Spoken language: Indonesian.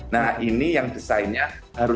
nah ini yang desainnya